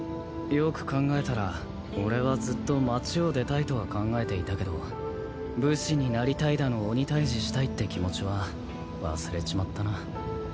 よく考えたら俺はずっと町を出たいとは考えていたけど武士になりたいだの鬼退治したいって気持ちは忘れちまったな。